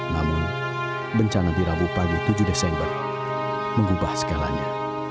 namun bencana di rabu pagi tujuh desember mengubah segalanya